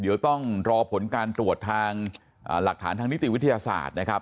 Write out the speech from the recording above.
เดี๋ยวต้องรอผลการตรวจทางหลักฐานทางนิติวิทยาศาสตร์นะครับ